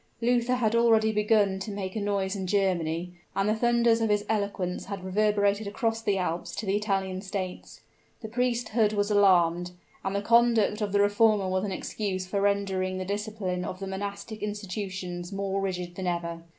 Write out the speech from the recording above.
Luther had already begun to make a noise in Germany; and the thunders of his eloquence had reverberated across the Alps to the Italian states. The priesthood was alarmed; and the conduct of the reformer was an excuse for rendering the discipline of the monastic institutions more rigid than ever.